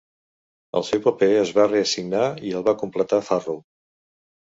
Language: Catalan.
El seu paper es va reassignar i el va completar Farrow.